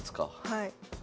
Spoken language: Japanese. はい。